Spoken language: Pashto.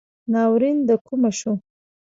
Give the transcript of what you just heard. ناورین دکومه شو